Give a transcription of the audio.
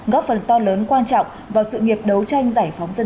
góp phần to lớn quan trọng vào sự nghiệp đấu tranh giải phóng dân